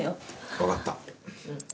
分かった。